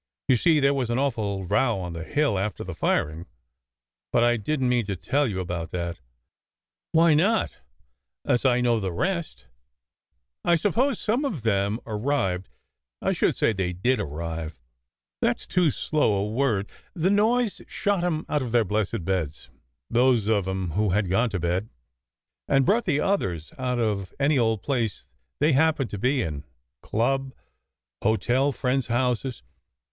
You see, there was an awful row on the hill after the firing but I didn t mean to tell you about that " "Why not, as I know the rest? I suppose some of them arrived "" I should say they did arrive ! That s too slow a word. The noise shot em out of their blessed beds those of em who had gone to bed and brought the others out of any old place they happened to be in: club, hotel, friends houses.